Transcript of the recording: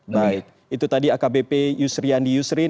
baik itu tadi akbp yusriandi yusrin